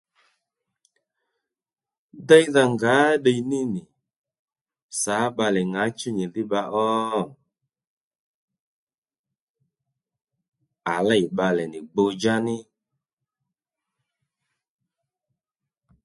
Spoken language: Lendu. Déydha ngǎ ddiy ní nì sǎ bbalè ŋǎhú nyìdhí bba ó? À lêy bbalè nì gbu-djá ní